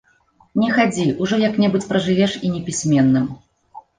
Не хадзі, ужо як-небудзь пражывеш і непісьменным.